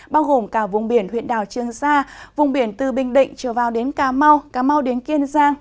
bao gồm cả vùng biển huyện đảo trương sa vùng biển từ bình định trở vào đến cà mau cà mau đến kiên giang